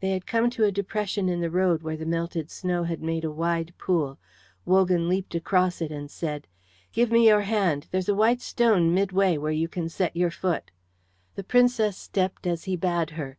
They had come to a depression in the road where the melted snow had made a wide pool. Wogan leaped across it and said, "Give me your hand! There's a white stone midway where you can set your foot." The Princess stepped as he bade her.